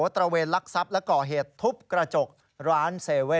ตระเวนรักษัพและก่อเหตุทุบกระจกร้าน๗๑๑